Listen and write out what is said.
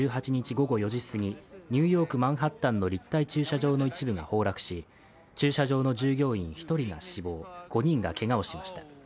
午後４時すぎニューヨーク・マンハッタンの立体駐車場の一部が崩落し駐車場の従業員１人が死亡、５人がけがをしました。